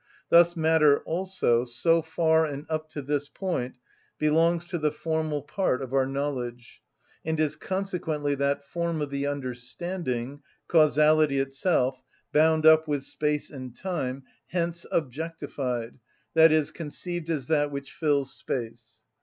Thus matter also, so far and up to this point, belongs to the formal part of our knowledge, and is consequently that form of the understanding, causality itself, bound up with space and time, hence objectified, i.e., conceived as that which fills space.